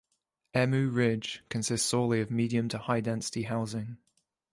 Emu Ridge consists solely of medium to high-density housing.